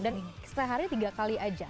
dan setelah harinya tiga kali aja